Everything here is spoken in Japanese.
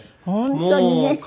本当にね。